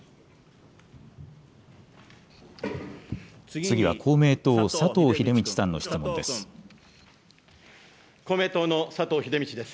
次は公明党、佐藤英道さんの質問です。